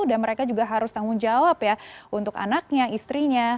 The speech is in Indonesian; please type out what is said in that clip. dan mereka juga harus tanggung jawab ya untuk anaknya istrinya